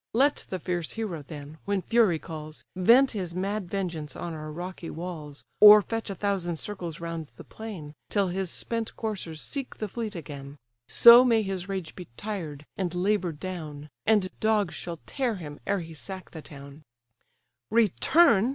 Let the fierce hero, then, when fury calls, Vent his mad vengeance on our rocky walls, Or fetch a thousand circles round the plain, Till his spent coursers seek the fleet again: So may his rage be tired, and labour'd down! And dogs shall tear him ere he sack the town." "Return!